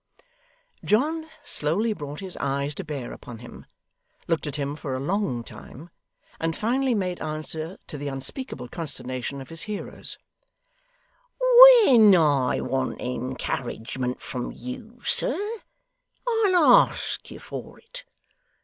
John slowly brought his eyes to bear upon him, looked at him for a long time, and finally made answer, to the unspeakable consternation of his hearers, 'When I want encouragement from you, sir, I'll ask you for it.